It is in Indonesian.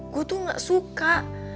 gue tuh gak suka